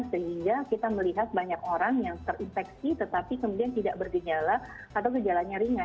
sehingga kita melihat banyak orang yang terinfeksi tetapi kemudian tidak bergejala atau gejalanya ringan